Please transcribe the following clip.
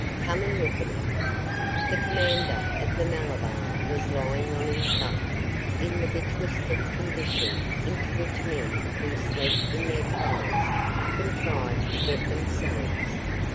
Come and look at him." The commander of the Malabar was lying on his bunk in the betwisted condition into which men who sleep in their clothes contrive to get themselves.